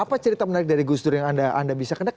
apa cerita menarik dari gus dur yang anda bisa kenal